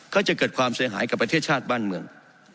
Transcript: ก็จะเกิดความเสียหายกับประเทศชาติบ้านเมือง